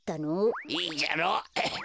いいじゃろう。